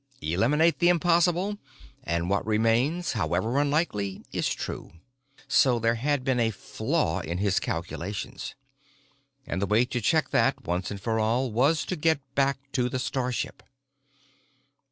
Eliminate the impossible, and what remains, however unlikely, is true. So there had been a flaw in his calculations. And the way to check that, once and for all, was to get back to the starship.